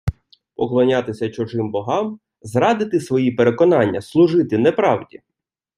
Поклонятися чужим богам - зрадити свої переконання, служити неправді